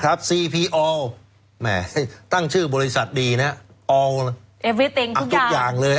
ซีพีออลแหมตั้งชื่อบริษัทดีนะเอาเลยทุกอย่างเลย